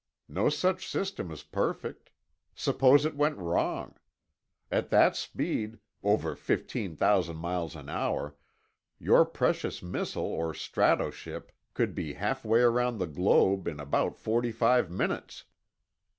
No such system is perfect. Suppose it went wrong. At that speed, over fifteen thousand miles an hour, your precious missile or strato ship could be halfway around the globe in about forty five minutes.